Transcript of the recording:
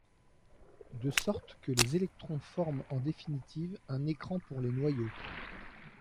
De sorte que les électrons forment en définitive un écran pour les noyaux.